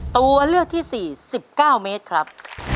ตัวเลือกที่๔๑๙เมตรครับ